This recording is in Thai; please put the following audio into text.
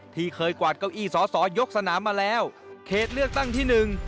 ที่เคยกวาดเก้าอี้สอสอยกสนามมาแล้วเขตเลือกตั้งที่หนึ่ง